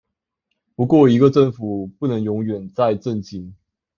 不過一個政府不能永遠在震驚